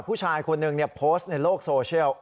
ผู้ชายคนหนึ่งโพสต์ในโลกโซเชียล